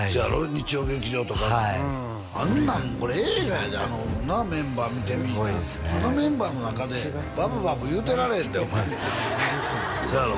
日曜劇場とかあんなんこれ映画やであのなメンバー見てみいなすごいですねあのメンバーの中でバブバブ言うとられへんでお前そうやろ？